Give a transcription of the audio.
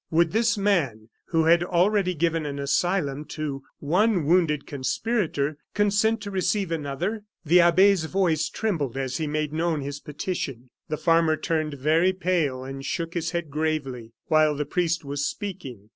Would this man, who had already given an asylum to one wounded conspirator, consent to receive another? The abbe's voice trembled as he made known his petition. The farmer turned very pale and shook his head gravely, while the priest was speaking.